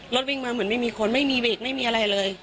รถวิ่งมาเหมือนไม่มีคนไม่มีเบรกไม่มีอะไรเลย